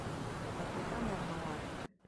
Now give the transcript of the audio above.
КАПИТАН ЯҘМАЛАРЫ